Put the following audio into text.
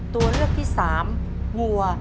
ตัวเลือกที่๓วัว